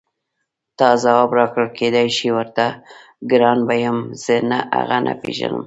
تا ځواب راکړ کېدای شي ورته ګران به یم زه هغه نه پېژنم.